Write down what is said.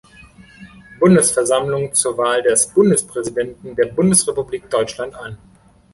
Bundesversammlung zur Wahl des Bundespräsidenten der Bundesrepublik Deutschland an.